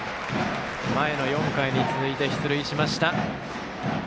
前の４回に続いて出塁しました。